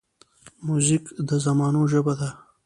موزیک د زمانو ژبه ده.